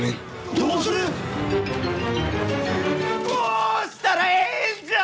どうしたらええんじゃあ！